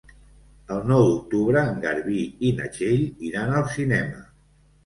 El nou d'octubre en Garbí i na Txell iran al cinema.